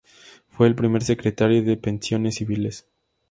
Fue primer Secretario de Pensiones Civiles.